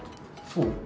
そう？